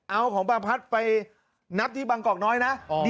เอาของประพัดไปนับที่บางกอกน้อยนะ